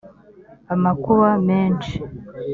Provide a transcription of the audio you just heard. amakuba menshi